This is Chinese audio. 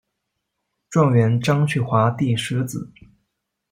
状元张去华第十子。